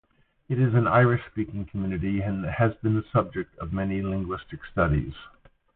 It is an Irish-speaking community, and has been the subject of many linguistic studies.